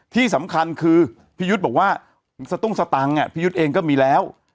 ที่สำคัญคือพี่ยุทธ์บอกว่าสตุ้งสตังค์พี่ยุทธ์เองก็มีแล้ว